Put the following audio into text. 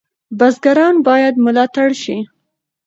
بزګران باید ملاتړ شي.